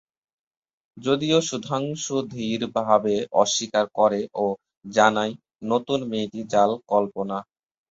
যদিও সুধাংশু দৃঢ়ভাবে অস্বীকার করে ও জানায় নতুন মেয়েটি জাল কল্পনা।